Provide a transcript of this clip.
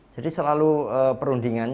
jadi selalu perundingan